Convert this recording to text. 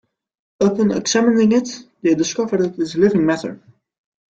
Upon examining it, they discover that it is living matter.